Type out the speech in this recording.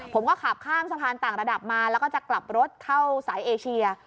ผมก็ขับข้ามสะพานต่างระดับมาแล้วก็จะกลับรถเข้าสายเอเชีย